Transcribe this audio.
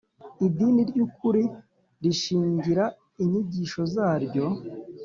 Idini ry ukuri rishingira inyigisho zaryo